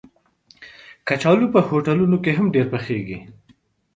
کچالو په هوټلونو کې هم ډېر پخېږي